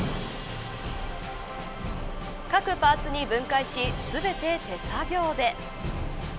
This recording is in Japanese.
各パーツに分解し全て手作業で。